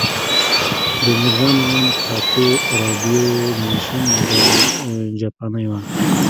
د میرزا منان کاکو راډیو نېشن جاپانۍ وه.